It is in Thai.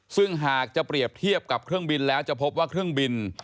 ซึ่งหากจะเปรียบเทียบกับเครื่องบินแล้วจะพบว่าเครื่องบิน